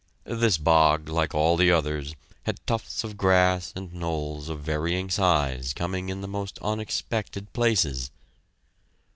This bog, like all the others, had tufts of grass and knolls of varying size coming in the most unexpected places.